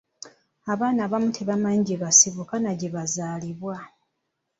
Abaana abamu tebamanyi gye basibuka ne gye bazaalwa.